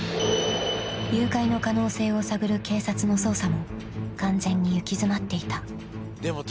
［誘拐の可能性を探る警察の捜査も完全に行き詰まっていた］